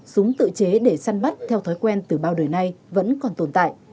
súng tự chế để săn bắt theo thói quen từ bao đời nay vẫn còn tồn tại